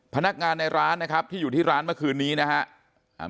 พนักงานในร้านนะครับที่อยู่ที่ร้านเมื่อคืนนี้นะครับ